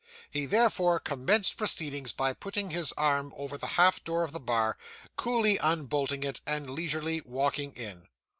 He therefore commenced proceedings by putting his arm over the half door of the bar, coolly unbolting it, and leisurely walking in.